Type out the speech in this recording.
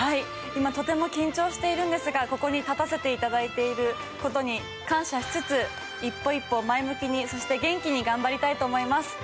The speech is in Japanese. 今とても緊張しているんですがここに立たせていただいていることに感謝しつつ一歩一歩前向きにそして元気に頑張りたいと思います。